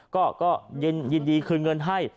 ก็ยินดีคืนเงินให้